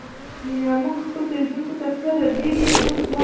موږ خپلو پیرودونکو ته تر دې ډیر پور وړ یو